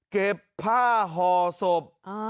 เก็บผ้าห่อศพ